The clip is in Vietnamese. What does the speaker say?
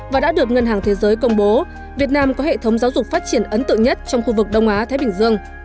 và đã được ngân hàng thế giới công bố việt nam có hệ thống giáo dục phát triển ấn tượng nhất trong khu vực đông á thái bình dương